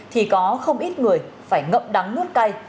thì có không ít người phải ngậm đắng nuốt cay